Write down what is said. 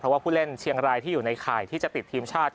เพราะว่าผู้เล่นเชียงรายที่อยู่ในข่ายที่จะติดทีมชาติ